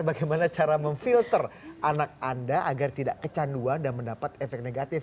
bagaimana cara memfilter anak anda agar tidak kecanduan dan mendapat efek negatif